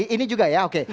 ini juga ya oke